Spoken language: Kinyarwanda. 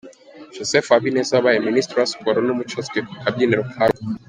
Joseph Habineza wabaye Minisitiri wa Siporo n’Umuco azwi ku kabyiniriro ka “Joe”.